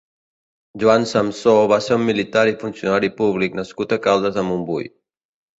Joan Samsó va ser un militar i funcionari públic nascut a Caldes de Montbui.